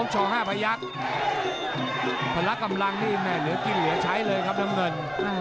พยักษ์พละกำลังนี่แม่เหลือกินเหลือใช้เลยครับน้ำเงิน